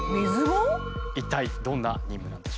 一体どんな任務なんでしょうか？